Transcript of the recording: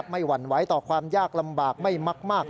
หวั่นไหวต่อความยากลำบากไม่มาก